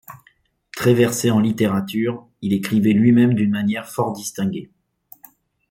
Très versé en littérature, il écrivait lui-même d'une manière fort distinguée.